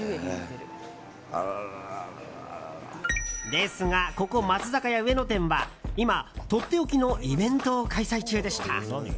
ですが、ここ松坂屋上野店は今、とっておきのイベントを開催中でした。